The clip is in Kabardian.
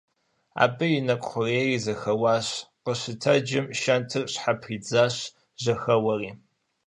Абы и нэкӀу хъурейр зэхэуащ, къыщытэджым шэнтыр щхьэпридзащ, жьэхэуэри.